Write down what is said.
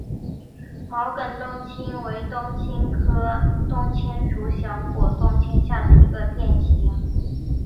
毛梗冬青为冬青科冬青属小果冬青下的一个变型。